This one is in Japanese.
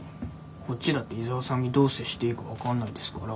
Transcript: こっちだって井沢さんにどう接していいか分かんないですから。